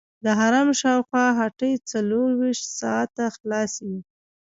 د حرم شاوخوا هټۍ څلورویشت ساعته خلاصې وي.